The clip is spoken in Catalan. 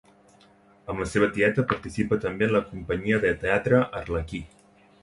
Amb la seva tieta, participa també en la companyia de teatre Arlequí.